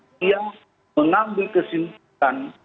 dia mengambil kesimpulan